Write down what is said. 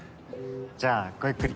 じゃあごゆっくり。